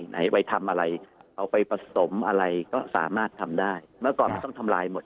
ให้ไว้ทำอะไรเอาไปผสมอะไรก็สามารถทำได้ต้องทำลายหมด